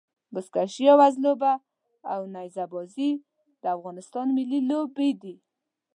بزکشي يا وزلوبه او نيزه بازي د افغانستان ملي لوبي دي.